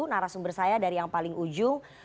narasumber saya dari yang paling ujung